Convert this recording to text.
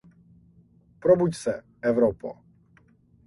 Probuď se, Evropo!